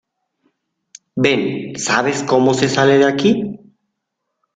Ven. ¿ sabes cómo se sale de aquí?